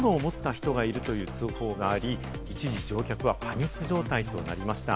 刃物を持った人がいるとの通報があり、一時、乗客はパニック状態となりました。